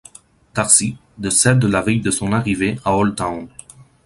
Darcy, décède la veille de son arrivée à Old Town.